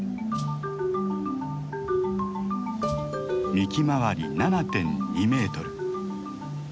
幹周り７．２メートル。